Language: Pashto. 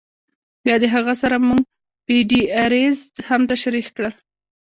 بیا د هغه سره مونږ پی ډی آریز هم تشریح کړل.